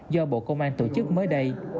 do bộ công an tổ chức mới đây